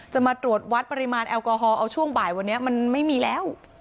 มาตรวจวัดปริมาณแอลกอฮอลเอาช่วงบ่ายวันนี้มันไม่มีแล้ว